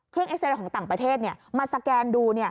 เครื่องเอ็กซ์เรย์ของต่างประเทศมาสแกนดู